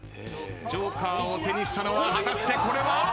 ジョーカーを手にしたのは果たしてこれは？